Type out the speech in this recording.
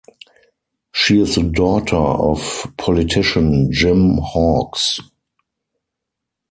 She is the daughter of politician Jim Hawkes.